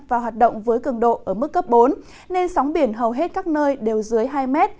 và hoạt động với cường độ ở mức cấp bốn nên sóng biển hầu hết các nơi đều dưới hai mét